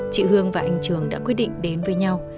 chị hương và anh trường đã quyết định đến với nhau